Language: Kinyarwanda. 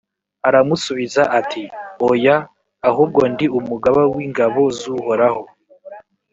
aramusubiza ati «oya, ahubwo ndi umugaba w’ingabo z’uhoraho.